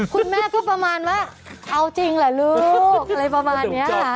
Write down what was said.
คุณแม่ก็ประมาณว่าเอาจริงเหรอลูกอะไรประมาณนี้ค่ะ